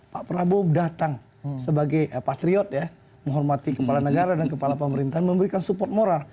pak prabowo datang sebagai patriot ya menghormati kepala negara dan kepala pemerintahan memberikan support moral